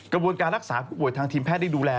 กระบวนการรักษาผู้ป่วยทางทีมแพทย์ได้ดูแล